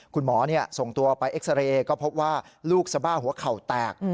คุณหมอส่งตัวไปเอ็กซาเรย์ก็พบว่าลูกสบ้าหัวเข่าแตก